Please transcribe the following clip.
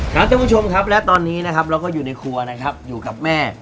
ท่านผู้ชมครับและตอนนี้นะครับเราก็อยู่ในครัวนะครับอยู่กับแม่